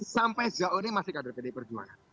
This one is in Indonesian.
sampai sejak hari ini masih kader pdi perjuangan